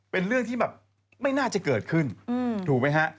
เป็นเรื่องที่แบบไม่น่าจะเกิดขึ้นถูกไหมฮะ